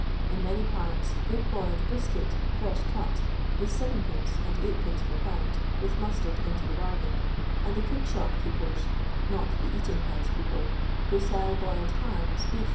In many parts good boiled " brisket," fresh cut, is 7d. and Sd. per lb., with mustard into the bargain ; and the cook shop keepers (not the eating house people) who sell boiled hams, beef, &c.